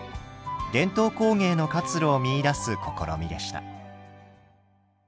伝統工芸の活路を見いだす試みでした。